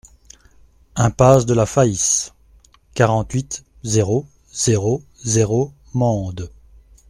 Impasse de la Faïsse, quarante-huit, zéro zéro zéro Mende